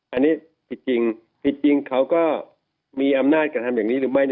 อันนี้ผิดจริงผิดจริงเขาก็มีอำนาจกระทำอย่างนี้หรือไม่